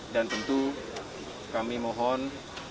dan tentu kami mohon